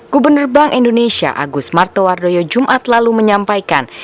gubernur bank indonesia agus martowardoyo jumat lalu menyampaikan